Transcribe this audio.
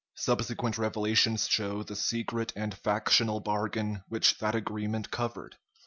Subsequent revelations show the secret and factional bargain which that agreement covered.